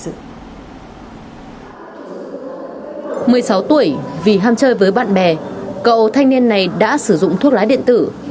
một mươi sáu tuổi vì ham chơi với bạn bè cậu thanh niên này đã sử dụng thuốc lá điện tử